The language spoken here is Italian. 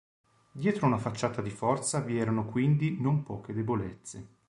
Dietro una facciata di forza vi erano quindi non poche debolezze.